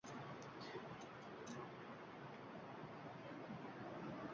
qulab o‘ngyoqlamasiga parmaday buralgancha quyiga sho‘ng‘ib ketdi.